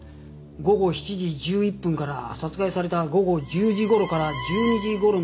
午後７時１１分から殺害された午後１０時頃から１２時頃までの約５時間。